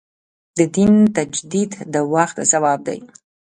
د دین تجدید د وخت ځواب دی.